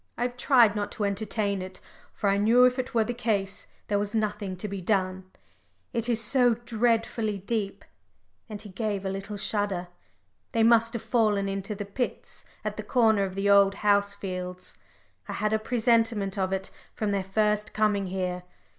I have tried not to entertain it, for I knew if it were the case, there was nothing to be done. It is so dreadfully deep " and he gave a little shudder. "They must have fallen into the pits at the corner of the Old House fields. I had a presentiment of it from their first coming here.